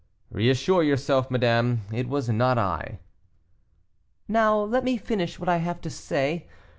'" "Reassure yourself, madame; it was not I." "Now, let me finish what I have to say.